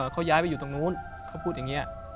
เขาย้ายไปอยู่ตรงนู้นเขาพูดอย่างนี้